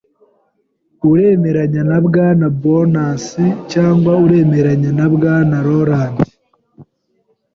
Uremeranya na Bwana Burns cyangwa uremeranya na Bwana Roland?